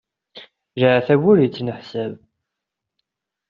Leɛtab ur yettneḥsab!